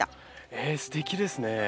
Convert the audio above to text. えすてきですね。